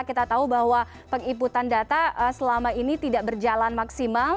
kita tahu bahwa pengiputan data selama ini tidak berjalan maksimal